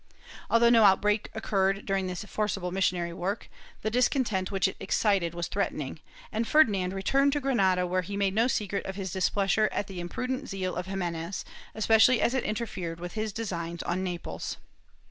^ Although no outbreak occurred during this forcible missionary work, the discontent which it excited was threatening, and Ferdi nand returned to Granada where he made no secret of his displeas ure at the imprudent zeal of Ximenes, especially as it interfered with his designs on Naples.